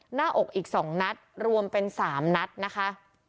หน้าอกอีก๒นัดรวมเป็น๓นัดนะคะ